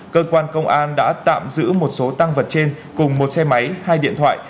cơ quan công an đã tạm giữ một số tăng vật trên cùng một xe máy hai điện thoại